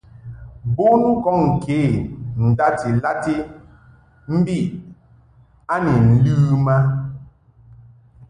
Bon kɔŋ kə ndati lati mbi a ni ləm a.